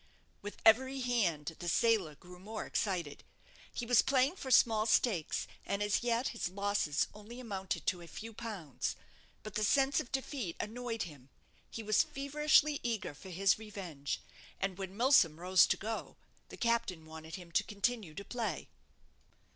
With every hand the sailor grew more excited. He was playing for small stakes, and as yet his losses only amounted to a few pounds. But the sense of defeat annoyed him. He was feverishly eager for his revenge: and when Milsom rose to go, the captain wanted him to continue to play.